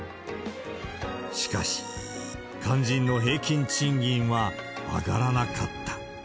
しかし、肝心の平均賃金は上がらなかった。